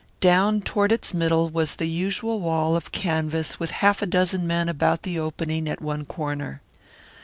Down toward its middle was the usual wall of canvas with half a dozen men about the opening at one corner.